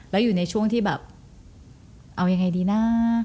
แล้วอยู่ในช่วงที่แบบเอายังไงดีนะ